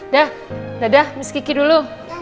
dah dadah misk kiki dulu